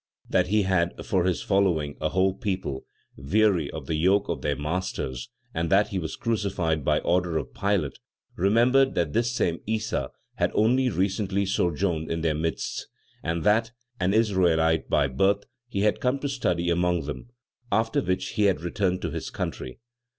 _, that he had for his following a whole people, weary of the yoke of their masters, and that he was crucified by order of Pilate, remembered that this same Issa had only recently sojourned in their midst, and that, an Israelite by birth, he had come to study among them, after which he had returned to his country.